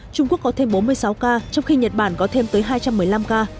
trung quốc có thêm bốn mươi sáu ca trong khi nhật bản có thêm tới hai trăm một mươi năm ca